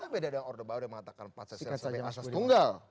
beda dengan orde bauda mengatakan pancasila sebagai asas tunggal